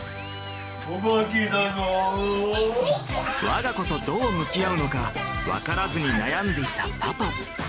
我が子とどう向き合うのか分からずに悩んでいたパパ。